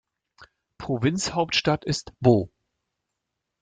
Provinzhauptstadt ist Bo.